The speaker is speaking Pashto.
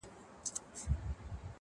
o د دوزخي حُسن چيرمني جنتي دي کړم.